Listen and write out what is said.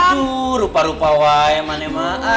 aduh rupa rupa wae manema